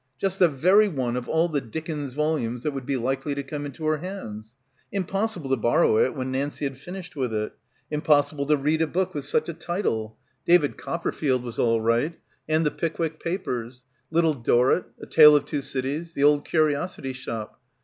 Just the very one of all the Dickens volumes that would be likely to come into her hands. Impossible to borrow it when Nancie had finished with it. Impossible to read a book — 77 — PILGRIMAGE with such a title. "David Copperfield" was all right; and "The Pickwick Papers." "Little Dorritt"— "A Tale of Two Cities"— "The Old Curiosity Shop."